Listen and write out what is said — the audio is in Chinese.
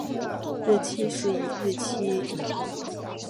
日记是以日期为排列顺序的笔记。